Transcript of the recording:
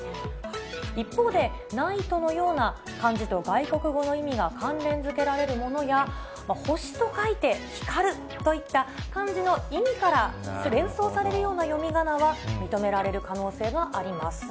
一方でナイトのような、漢字と外国語の意味が関連づけられるものや、星と書いて、ヒカルといった、漢字の意味から連想されるような読みがなは認められる可能性があります。